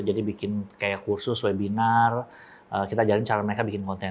jadi bikin kursus webinar kita ajarkan cara mereka bikin konten